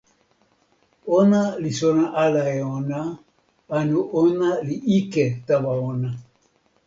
ona li sona ala e ona, anu ona li ike tawa ona.